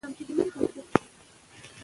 جګړه د انسانانو د پوهې او عقل د زوال نښه ده.